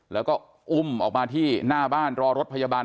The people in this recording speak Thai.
แล้วก็อุ้มออกมาที่หน้าบ้านรอรถพยาบาล